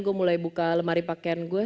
gue mulai buka lemari pakaian gue